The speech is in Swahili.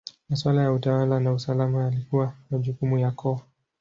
Maswala ya utawala na usalama yalikuwa majukumu ya koo.